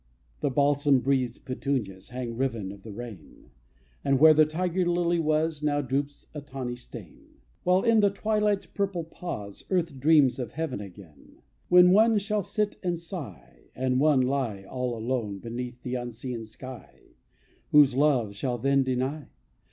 The balsam breathed petunias Hang riven of the rain; And where the tiger lily was Now droops a tawny stain; While in the twilight's purple pause Earth dreams of Heaven again. When one shall sit and sigh, And one lie all alone Beneath the unseen sky Whose love shall then deny?